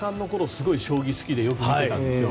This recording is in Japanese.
すごい将棋好きでよく見ていたんですよ。